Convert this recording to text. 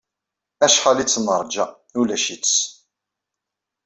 Acḥal i tt-nerja, ulac-itt.